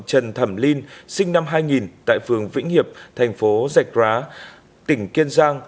trần thẩm linh sinh năm hai nghìn tại phường vĩnh hiệp thành phố giạch rá tỉnh kiên giang